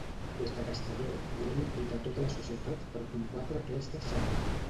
Des de Castelló volen implicar tota la societat per combatre aquesta xacra.